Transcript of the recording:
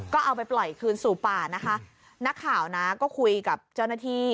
ก็เอาไปปล่อยคืนสู่ป่านะคะนักข่าวนะก็คุยกับเจ้าหน้าที่